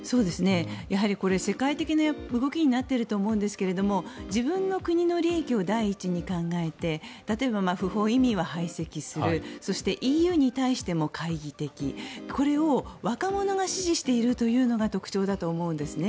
やはりこれ世界的な動きになっていると思いますが自分の国の利益を第一に考えて例えば、不法移民は排斥するそしてＥＵに対しても懐疑的これを若者が支持しているというのが特徴だと思うんですね。